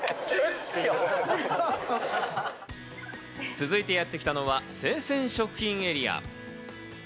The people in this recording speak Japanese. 続いてやってきたのは生鮮食品エリア。